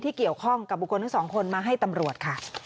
เกี่ยวข้องกับบุคคลทั้งสองคนมาให้ตำรวจค่ะ